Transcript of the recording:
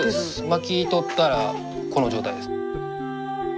巻き取ったらこの状態です。